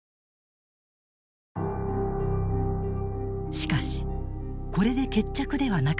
しかしこれで決着ではなかった。